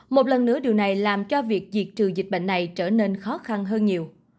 một lần nữa điều này làm cho việc diệt trừ dịch bệnh này trở nên khó khăn hơn nhiều